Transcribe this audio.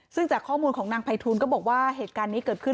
ซึ่งจากข้อมูลของนางไพทูลก็บอกว่าเหตุการณ์นี้เกิดขึ้น